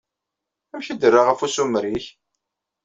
Amek i d-terra ɣef usumer-ik?